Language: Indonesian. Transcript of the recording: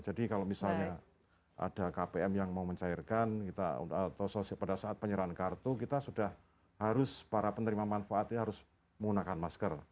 jadi kalau misalnya ada kpm yang mau mencairkan kita atau pada saat penyerahan kartu kita sudah harus para penerima manfaatnya harus menggunakan masker